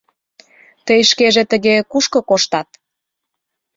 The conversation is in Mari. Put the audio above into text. Тый шкеже тыге кушко коштат?